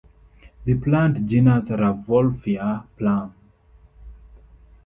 The plant genus "Rauvolfia" Plum.